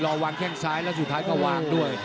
วางแข้งซ้ายแล้วสุดท้ายก็ว่างด้วย